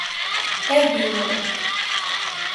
Е било је!